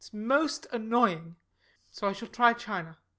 It's most annoying. So I shall try China.